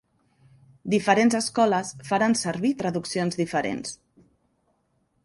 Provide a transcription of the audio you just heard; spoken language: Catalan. Diferents escoles faran servir traduccions diferents.